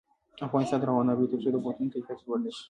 افغانستان تر هغو نه ابادیږي، ترڅو د پوهنتونونو کیفیت لوړ نشي.